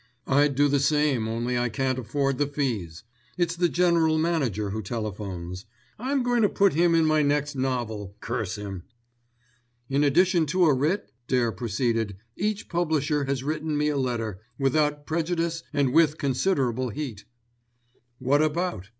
"I'd do the same, only I can't afford the fees. It's the general manager who telephones. I'm going to put him in my next novel, curse him!" "In addition to a writ," Dare proceeded, "each publisher has written me a letter, 'without prejudice' and with considerable heat." "What about?"